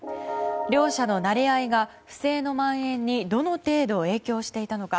両社のなれ合いが、不正の蔓延にどの程度、影響していたのか。